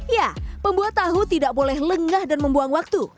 ya pembuat tahu tidak boleh lengah dan membuang waktu